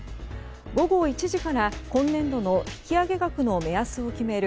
午後１時から、今年度の引き上げ額の目安を決める